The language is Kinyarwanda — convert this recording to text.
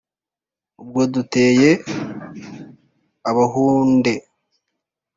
ubwo duteye abahunde